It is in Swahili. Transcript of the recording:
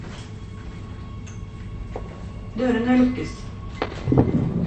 Waandamanaji wawili wameuawa kwa kupigwa risasi nchini Sudan.